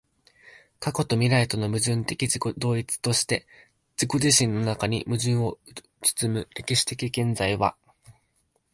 過去と未来との矛盾的自己同一として自己自身の中に矛盾を包む歴史的現在は、